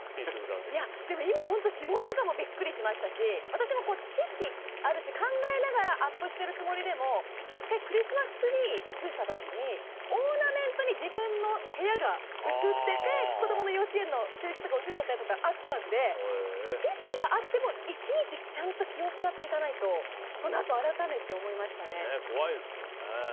今、本当に指紋とかもビックリしましたし私も知識あるし、考えながらアップしているつもりでも１回クリスマスツリーを写した時にオーナメントに自分の部屋が写っていて子供の幼稚園の制服が写っちゃったりしたことがあったので知識があってもいちいちちゃんと気を使っていかないとなと怖いですよね。